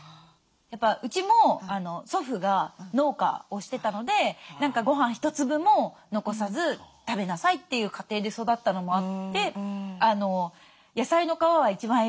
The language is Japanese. やっぱうちも祖父が農家をしてたので何かごはん一粒も残さず食べなさいという家庭で育ったのもあって「野菜の皮は一番栄養が高いんだよ」